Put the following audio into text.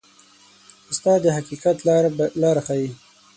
استاد د حقیقت لاره ښيي.